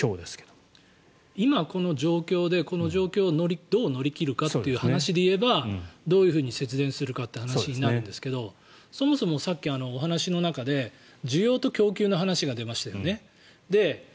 今、この状況でこの状況をどう乗り切るかという話でいえばどういうふうに節電するかという話になるんですけどそもそもさっきお話の中で需要と供給の話が出ましたよね。